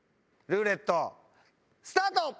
ルーレットスタート！